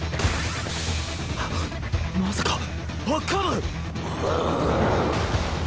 まさかアッカーマン⁉